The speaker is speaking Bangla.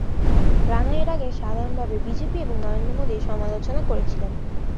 রানা এর আগে সাধারণভাবে বিজেপি এবং নরেন্দ্র মোদীর সমালোচনা করেছিলেন।